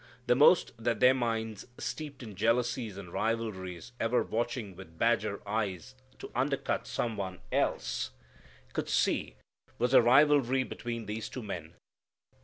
The most that their minds, steeped in jealousies and rivalries, ever watching with badger eyes to undercut some one else, could see, was a rivalry between these two men.